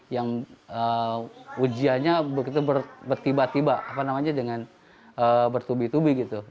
yang ujianya begitu bertiba tiba dengan bertubi tubi gitu